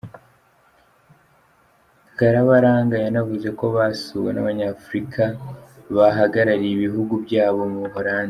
Karabaranga yanavuze ko basuwe n’Abanyafurika bahagarariye ibihugu byabo mu Buholandi.